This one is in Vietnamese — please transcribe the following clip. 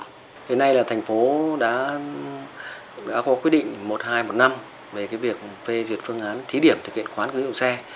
thế này là thành phố đã có quyết định một hai một năm về việc phê duyệt phương án thí điểm thực hiện khoán kinh phí xe